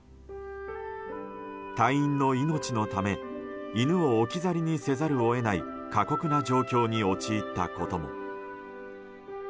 隊員の命のため犬を置き去りにせざるを得ない過酷な状況に陥ったことも。